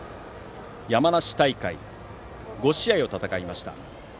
山梨大会は５試合を戦いました。